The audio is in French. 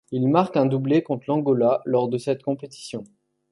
Il marque un doublé contre l'Angola lors de cette compétition.